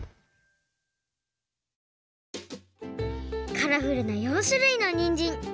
カラフルな４しゅるいのにんじん。